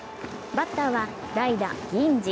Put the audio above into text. バッターは代打・銀次。